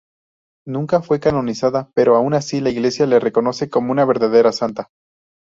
Nunca fue canonizada, pero, aun así, la Iglesia la reconoce como verdadera santa.